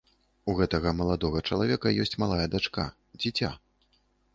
У гэтага маладога чалавека ёсць малая дачка, дзіця.